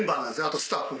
あとスタッフ。